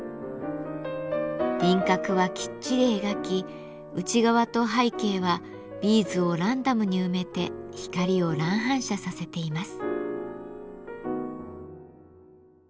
輪郭はきっちり描き内側と背景はビーズをランダムに埋めて光を乱反射させています。